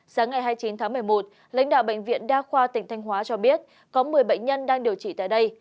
sáng ngày hai mươi chín tháng một mươi một lãnh đạo bệnh viện đa khoa tỉnh thanh hóa cho biết có một mươi bệnh nhân đang điều trị tại đây